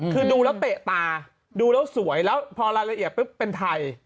คือดูแล้วเตะตาดูแล้วสวยแล้วพอรายละเอียดปุ๊บเป็นไทย